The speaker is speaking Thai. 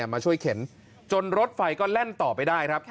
มาช่วยเข็นจนรถไฟก็แล่นต่อไปได้ครับ